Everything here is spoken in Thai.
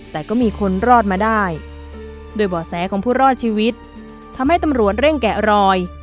แต่ก็มีคนรอดมาได้โดยบ่อแสของผู้รอดชีวิตทำให้ตำรวจเร่งแกะรอย